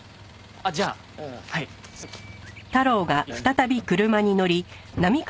あっじゃあはいすいません。